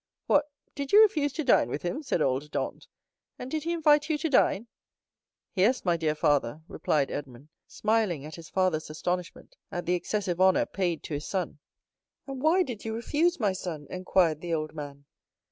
"What, did you refuse to dine with him?" said old Dantès; "and did he invite you to dine?" "Yes, my dear father," replied Edmond, smiling at his father's astonishment at the excessive honor paid to his son. "And why did you refuse, my son?" inquired the old man.